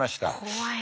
怖い。